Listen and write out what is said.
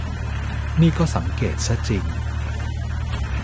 นี่ก็สังเกตซะจริง